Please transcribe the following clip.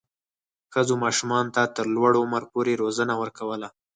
ښځو ماشومانو ته تر لوړ عمر پورې روزنه ورکوله.